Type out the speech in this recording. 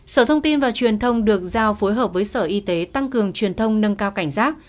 sở thông tin và truyền thông được giao phối hợp với sở y tế tăng cường truyền thông nâng cao cảnh giác